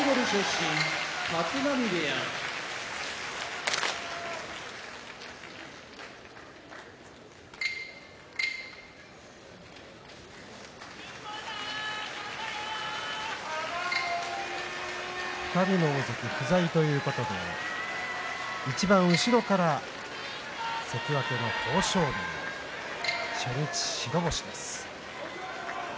立浪部屋２人の大関不在ということでいちばん後ろから関脇の豊昇龍初日白星です。